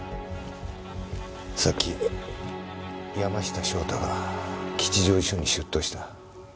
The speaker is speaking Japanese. さっき山下翔太が吉祥寺署に出頭した。